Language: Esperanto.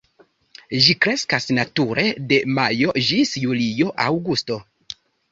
Ĝi kreskas nature de majo ĝis julio, aŭgusto.